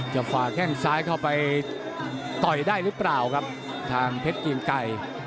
ฝ่าแข้งซ้ายเข้าไปต่อยได้หรือเปล่าครับทางเพชรเกียงไก่